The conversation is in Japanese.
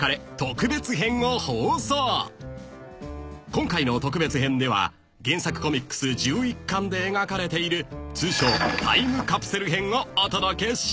［今回の特別編では原作コミックス１１巻で描かれている通称タイムカプセル編をお届けします］